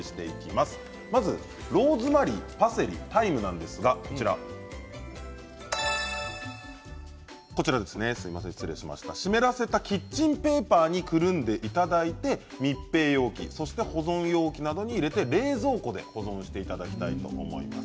まずローズマリー、パセリタイムなんですが湿らせたキッチンペーパーにくるんでいただいて密閉容器、保存容器などに入れて冷蔵庫で保存していただきたいと思います。